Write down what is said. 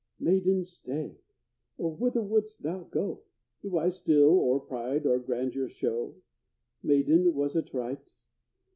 Maiden, stay! oh, whither wouldst thou go? Do I still or pride or grandeur show? Maiden, was it right?